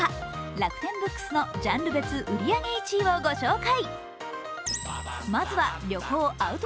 楽天ブックスのジャンル別売り上げをご紹介。